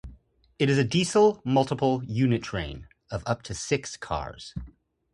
It is a diesel multiple unit train of up to six cars.